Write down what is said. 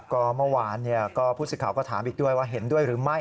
ก็เมื่อวานผู้สื่อข่าวก็ถามอีกด้วยว่าเห็นด้วยหรือไม่